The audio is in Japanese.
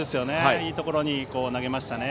いいところに投げましたね。